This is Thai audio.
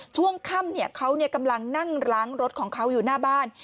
ช่วงค่ำเขากำลังนั่งล้างรถของเขาอยู่หน้าบ้าน